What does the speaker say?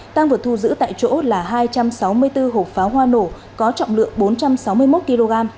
tăng vật thu giữ tại chỗ là hai trăm sáu mươi bốn hộp pháo hoa nổ có trọng lượng bốn trăm sáu mươi một kg